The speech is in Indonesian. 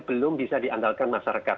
belum bisa diandalkan masyarakat